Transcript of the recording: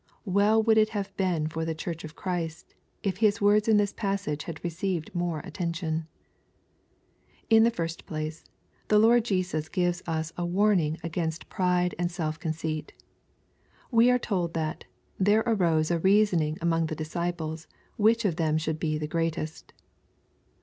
Well would it have been for the Church of Christy if His words in this passage had received more attention I In the first place^ the Lord Jesus gives us a warning ctgainet pride and self conceit We are told that "there arose a reasoning among the disciples which of them should be the greatest."